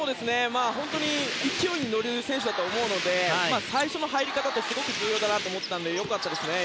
本当に勢いに乗る選手だと思うので最初の入り方はすごく重要だと思ったので今、良かったです。